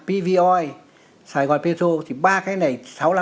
pvoi sài gòn petro thì ba cái này sáu mươi năm